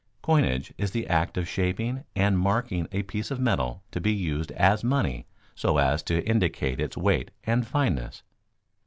_Coinage is the act of shaping and marking a piece of metal to be used as money so as to indicate its weight and fineness.